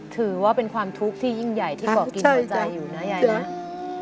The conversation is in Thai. ถือว่าเป็นความทุกข์ที่ยิ่งใหญ่ที่ก่อกินหัวใจอยู่นะยายนะ